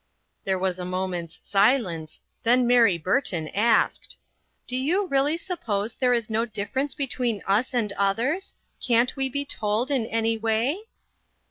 There was a moment's silence, then Mary Burton asked: " Do you really suppose there is no dif ference between us and others? Can't we be told in any way